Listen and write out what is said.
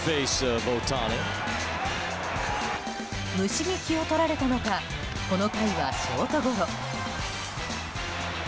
虫に気を取られたのかこの回はショートゴロ。